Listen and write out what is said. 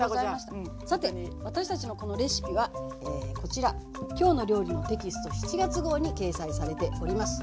さて私たちのこのレシピはこちら「きょうの料理」のテキスト７月号に掲載されております。